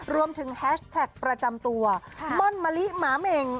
แฮชแท็กประจำตัวม่อนมะลิหมาเหม็ง